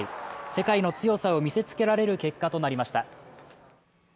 世界の強さを見せつけられる結果となりました。